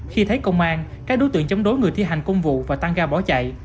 khi thấy công an các đối tượng chống đối người thi hành công vụ và tăng ga bỏ chạy